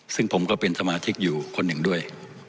ซึ่งผมก็เป็นสมาชิกอยู่คนหนึ่งด้วย